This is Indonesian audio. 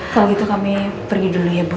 kalau gitu kami pergi dulu ya bu